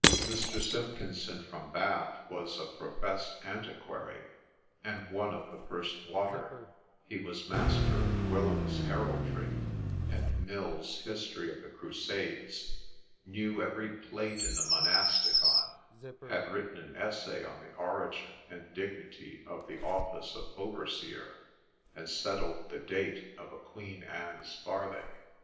Mr. Simpkinson from Bath was a professed antiquary, and one of the first water ; he was master of Gwillim's Heraldry, and Milles's History of the Crusades ; knew every plate in the Monasticon ; had written an essay on the origin and dignity of the office of overseer, and settled the da, te of a Queen Anne's farthing.